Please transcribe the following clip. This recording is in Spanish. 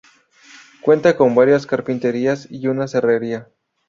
Cuenta con varias carpinterías y una serrería.